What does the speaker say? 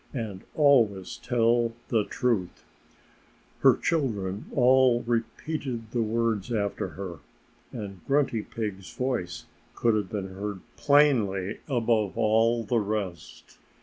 "And always tell the truth!" Her children all repeated the words after her. And Grunty Pig's voice could have been heard plainly above all the rest.